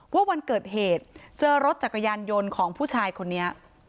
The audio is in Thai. วันเกิดเหตุเจอรถจักรยานยนต์ของผู้ชายคนนี้